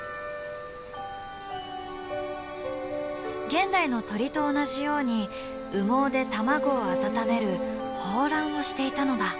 現代の鳥と同じように羽毛で卵を温める抱卵をしていたのだ。